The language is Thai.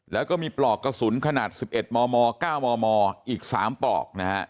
แล้วก็มีปลอกกระสุนขนาด๑๑มม๙มมอีก๓ปลอกนะฮะ